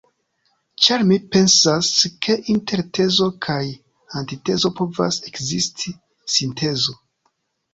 Ĉar mi pensas, ke inter tezo kaj antitezo povas ekzisti sintezo.